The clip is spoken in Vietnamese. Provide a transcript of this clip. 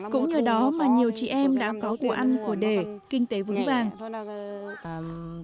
cũng như đó mà nhiều chị em đã có của ăn của đề kinh tế vững vàng